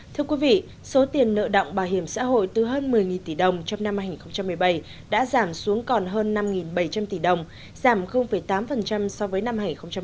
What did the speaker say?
thưa quý vị số tiền nợ động bảo hiểm xã hội từ hơn một mươi tỷ đồng trong năm hai nghìn một mươi bảy đã giảm xuống còn hơn năm bảy trăm linh tỷ đồng giảm tám so với năm hai nghìn một mươi bảy